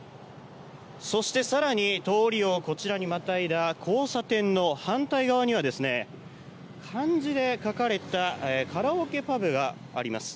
そして、更に通りをまたいだ交差点の反対側には漢字で書かれたカラオケパブがあります。